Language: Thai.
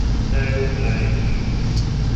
ได้ลูบไล้